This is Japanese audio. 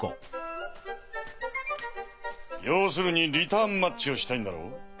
要するにリターンマッチをしたいんだろう？